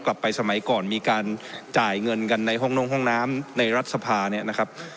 สมัยก่อนมีการจ่ายเงินกันในห้องนงห้องน้ำในรัฐสภาเนี่ยนะครับ